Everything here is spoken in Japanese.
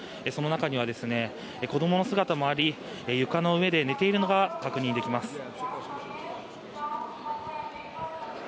その中には子供の姿もあり床の上で寝ているのが確認できます。